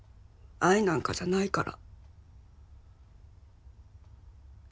愛なんかじゃないから。